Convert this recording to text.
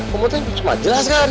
komotnya cuma jelas kan